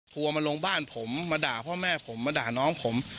กลัวมาลงบ้านผมมาด่าพ่อแม่ผมมาด่าน้องผม